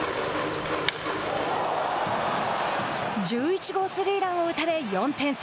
１１号スリーランを打たれ４点差。